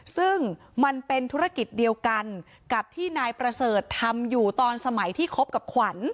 ซึ่งมันเป็นธุรกิจเดียวกันกับที่นายประเสริฐทำอยู่ตอนสมัยที่คบกับขวัญ